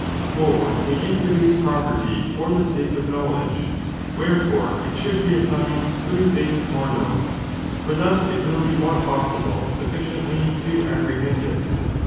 For we introduce property for the sake of knowledge, wherefore it should be assigned through things more known, for thus it will be more possible suffi ciently to apprehend it.